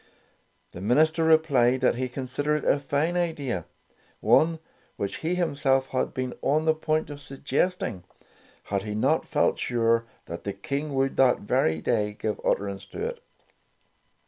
The minister replied that he considered it a fine idea; one which he himself had been on the point of suggesting, had he not felt sure that the King would that very day give utterance to it.